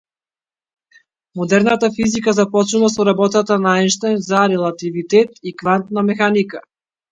Модерната физика започнува со работата на Ајнштајн за релативитетот и квантната механика.